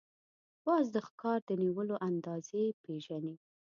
باز د ښکار د نیولو اندازې پېژني